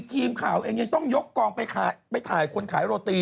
ทีมข่าวเองยังต้องยกกองไปถ่ายคนขายโรตี